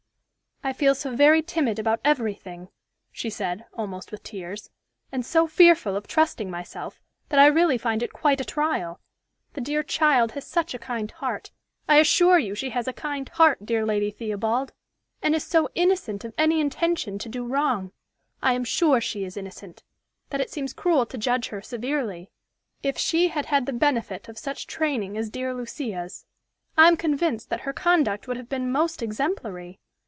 "I feel so very timid about every thing," she said, almost with tears, "and so fearful of trusting myself, that I really find it quite a trial. The dear child has such a kind heart I assure you she has a kind heart, dear Lady Theobald, and is so innocent of any intention to do wrong I am sure she is innocent, that it seems cruel to judge her severely. If she had had the benefit of such training as dear Lucia's. I am convinced that her conduct would have been most exemplary.